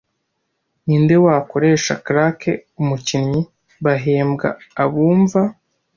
Ninde wakoresha claque Umukinnyi - Bahembwa abumva